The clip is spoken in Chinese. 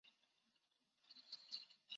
详参集团军。